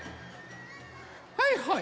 はいはい。